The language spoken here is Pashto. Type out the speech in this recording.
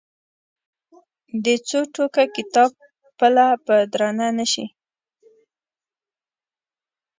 د څو ټوکه کتاب پله به درنه نه شي.